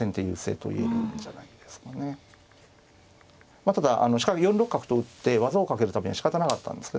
まあただ４六角と打って技をかけるためにはしかたなかったんですね